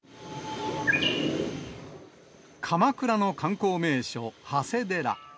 鎌倉の観光名所、長谷寺。